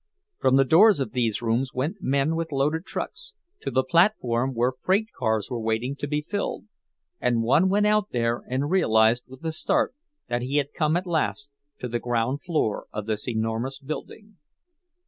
From the doors of these rooms went men with loaded trucks, to the platform where freight cars were waiting to be filled; and one went out there and realized with a start that he had come at last to the ground floor of this enormous building.